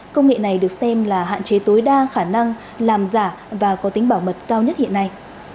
công nghệ này được xem là hạn chế tối đa khả năng làm giả và có tính bảo mật cao nhất hiện nay